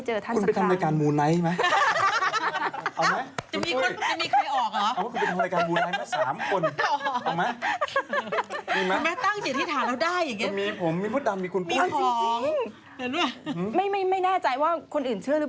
เจอตัวเป็นของครูบาบุญชุ่มเลย